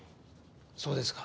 そうですか。